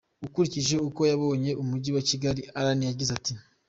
Akurikije uko yabonye Umujyi wa Kigali, Ellert yagize ati.